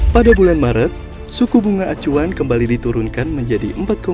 pada bulan maret suku bunga acuan kembali diturunkan menjadi empat tiga